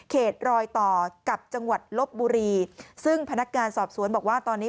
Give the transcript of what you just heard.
รอยต่อกับจังหวัดลบบุรีซึ่งพนักงานสอบสวนบอกว่าตอนนี้